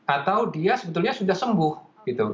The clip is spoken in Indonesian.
atau dia sebetulnya sudah sembuh gitu